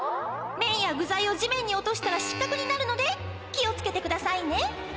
めんやぐざいを地面に落としたらしっかくになるので気をつけてくださいね！